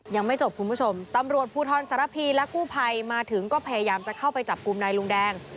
ยังไม่จบคุณผู้ชมตำรวจภูทรสารพีและกู้ภัยมาถึงก็พยายามจะเข้าไปจับกลุ่มนายลุงแดง